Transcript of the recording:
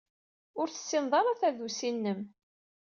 Ur tessined ara tadusi-nnem.